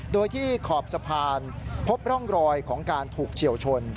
โดยที่ขอบสะพานพบร่องรอยของการถูกเฉียวชน